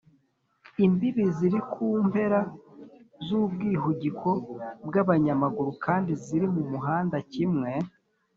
Imbibi ziri ku mpera z ubwihugiko bw abanyamaguru kandi ziri mu muhanda kimwe